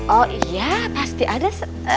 oh iya pasti ada